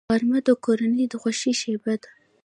غرمه د کورنۍ د خوښۍ شیبه ده